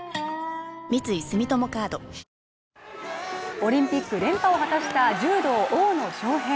オリンピック連覇を果たした柔道・大野将平。